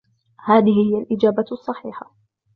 هذه هي الإجابة الصحيحة.